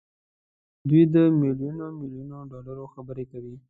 دوی د ميليون ميليون ډالرو خبرې کوي.